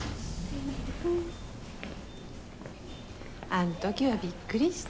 あん時はびっくりした。